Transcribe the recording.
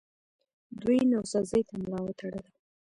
دوی نوسازۍ ته ملا وتړله